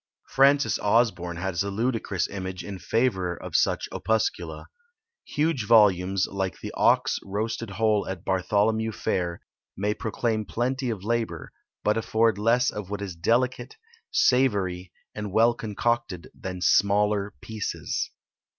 Francis Osborne has a ludicrous image in favour of such opuscula. "Huge volumes, like the ox roasted whole at Bartholomew fair, may proclaim plenty of labour, but afford less of what is delicate, savoury, and well concocted, than SMALLER PIECES."